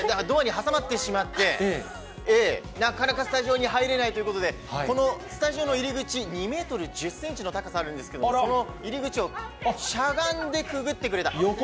ドアに挟まってしまって、なかなかスタジオに入れないということで、このスタジオの入り口２メートル１０センチの高さあるんですけど、この入り口をしゃがんでくぐってくれた。